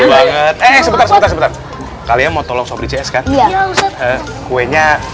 banget eh sebentar sebentar kalian mau tolong sobri cs kan iya ustadz kuenya